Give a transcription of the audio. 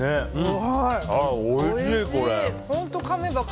おいしい、これ。